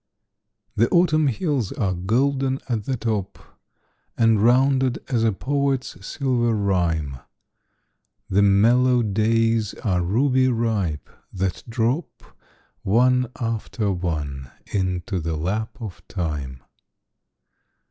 The Autumn hills are golden at the top, And rounded as a poet's silver rhyme; The mellow days are ruby ripe, that drop One after one into the lap of time.